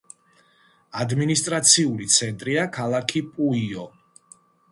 ადმინისტრაციული ცენტრია ქალაქი პუიო.